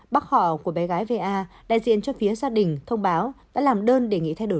bác họ của bé gái về a đại diện cho phía gia đình thông báo đã làm đơn đề nghị thay đổi